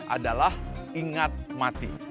adalah ingat mati